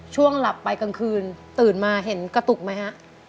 ช่วงหลับไปกลางคืนตื่นมาเห็นกระตุกไหมฮะ